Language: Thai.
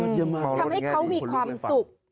ทำให้เขามีความสุข